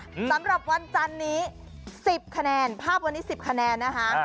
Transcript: สำหรับวันจันนี้สิบคะแนนภาพวันนี้สิบคะแนนนะคะ